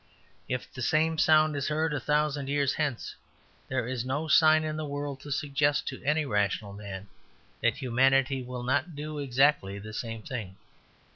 If the same sound is heard a thousand years hence, there is no sign in the world to suggest to any rational man that humanity will not do exactly the same thing.